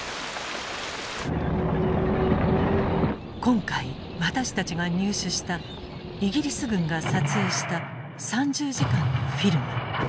今回私たちが入手したイギリス軍が撮影した３０時間のフィルム。